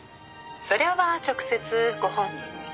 「それは直接ご本人に」